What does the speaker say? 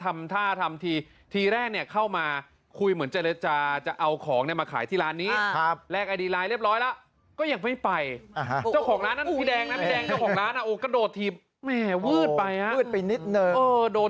มันกล้องเหมือนกันนะตอนวิ่งออกถนน